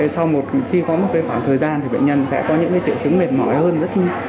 sau khi có một khoảng thời gian thì bệnh nhân sẽ có những triệu chứng mệt mỏi hơn rất nhiều